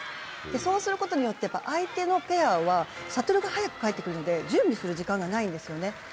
そうすることによって相手のペアはシャトルが早く返ってくるので準備する時間がないんですよね。